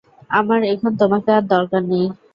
আমার এখন তোমাকে আর দরকার নেই।